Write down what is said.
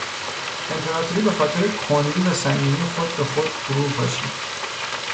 امپراتوری به خاطر کندی و سنگینی خود به خود فرو پاشید.